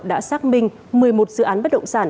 đã xác minh một mươi một dự án bất động sản